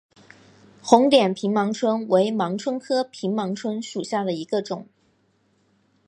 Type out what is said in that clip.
红点平盲蝽为盲蝽科平盲蝽属下的一个种。